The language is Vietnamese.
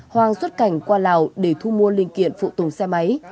hoàng xuất cảnh qua lào để thu mua linh kiện phụ tùng xe máy